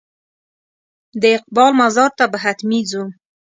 د اقبال مزار ته به حتمي ځو.